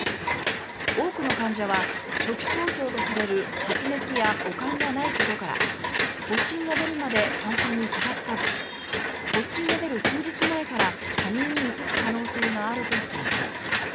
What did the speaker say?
多くの患者は初期症状とされる発熱や悪寒がないことから発疹が出るまで感染に気がつかず発疹が出る数日前から他人にうつす可能性があるとしています。